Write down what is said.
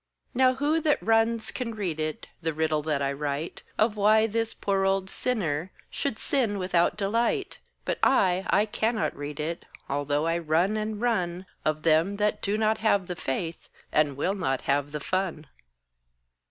Now who that runs can read it, The riddle that I write, Of why this poor old sinner, Should sin without delight ? But I, I cannot read it (Although I run and run), Of them that do not have the faith, And will not have the fun.